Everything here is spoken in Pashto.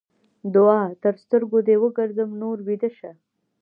دوعا؛ تر سترګو دې وګرځم؛ نور ويده شه.